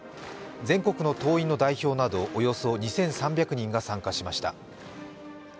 全国の党員の代表などおよそ２３００人が参加しました。